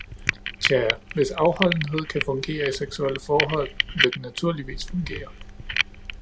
Tja, hvis afholdenhed kan fungere i seksuelle forhold, vil den naturligvis fungere.